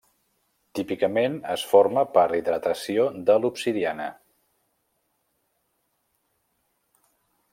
Típicament es forma per hidratació de l'obsidiana.